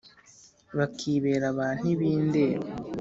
bakibera ba ntibindeba.